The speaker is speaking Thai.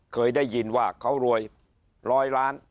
เคยได้ยินว่าเขารวยร้อยล้าน